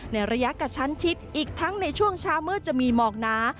ในระยะกระชั้นชิดอีกทั้งในช่วงเช้ามืดจะมีหมอกหนา